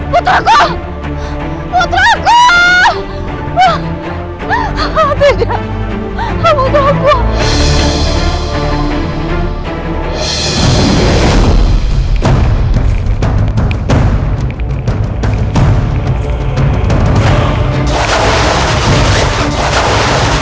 putraku putraku putraku putraku